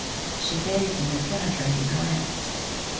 She gave me a penetrating glance.